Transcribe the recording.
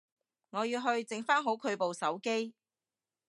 我要去整返好佢部手機